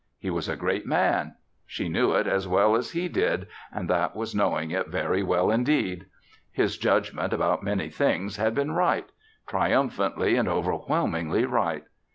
He was a great man. She knew it as well as he did and that was knowing it very well indeed. His judgment about many things had been right triumphantly and overwhelmingly right.